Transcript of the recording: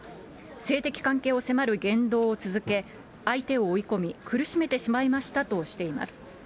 性的関係を迫る言動を続け、相手を追い込み、苦しめてしまいましたとしています。